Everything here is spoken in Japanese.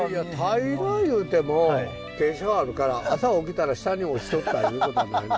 平らいうても傾斜はあるから朝起きたら下に落ちとったいうことはないの？